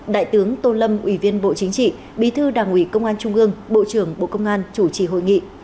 đại tướng tô lâm ủy viên bộ chính trị bí thư đảng ủy công an trung ương bộ trưởng bộ công an chủ trì hội nghị